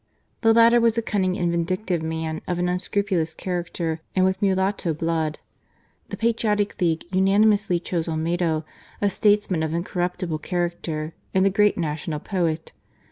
The latter was a cunning and vindictive man of an unscrupulous character and with mulatto blood. The Patriotic League unanimously chose Olmedo, a statesman of incor ruptible character and the great national poet.